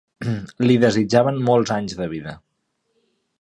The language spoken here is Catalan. Li desitjaven molts anys de vida